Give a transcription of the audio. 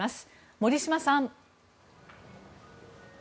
森嶋さん。